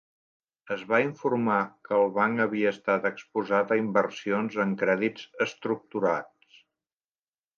Es va informar que el banc havia estat exposat a inversions en crèdits estructurats.